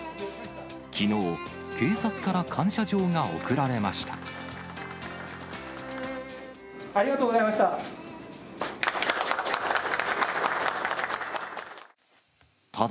きのう、警察から感謝状が贈られありがとうございました。